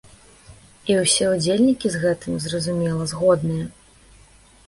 І ўсе ўдзельнікі з гэтым, зразумела, згодныя.